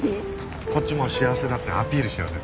こっちも幸せだってアピールしようぜ。